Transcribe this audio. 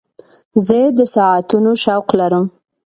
زه د ساعتونو شوق لرم.